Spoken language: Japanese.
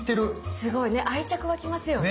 すごいね愛着湧きますよね。ね。